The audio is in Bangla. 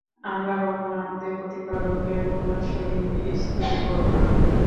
আমরা কখনো আমাদের প্রতিপালকের কোন শরিক স্থির করব না।